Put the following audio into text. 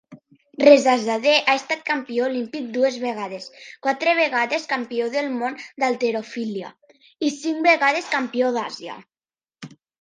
Rezazadeh ha estat campió olímpic dues vegades, quatre vegades campió del món d'halterofília i cinc vegades campió d'Àsia.